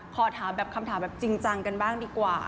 ขอถามแบบคำถามแบบจริงจังกันบ้างดีกว่า